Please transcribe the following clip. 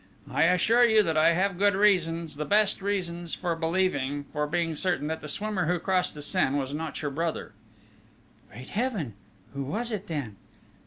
"I assure you that I have good reasons, the best of reasons, for believing, for being certain, that the swimmer who crossed the Seine was not your brother!" "Great Heaven! Who was it then?"